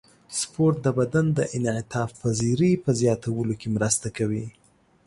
سپورت د بدن د انعطاف پذیرۍ په زیاتولو کې مرسته کوي.